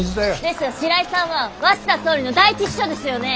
ですが白井さんは鷲田総理の第一秘書ですよね？